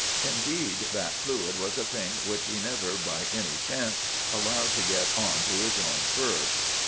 Indeed, that fluid was a thing which he never by any chance allowed to get on to his own fur.